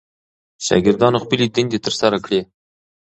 شاګردانو خپلې دندې ترسره کړې.